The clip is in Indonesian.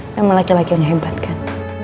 memang laki laki yang hebat kan